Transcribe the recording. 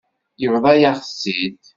Yebḍa-yaɣ-tt-id.